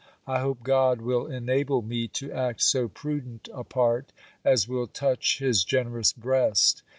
I hope God will enable me to act so prudent a part, as will touch his generous breast.